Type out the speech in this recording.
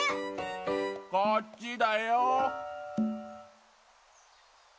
こっちだよ。